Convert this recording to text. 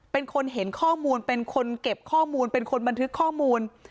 เป็นคนเห็นข้อมูลเป็นคนเก็บข้อมูลเป็นคนบันทึกข้อมูล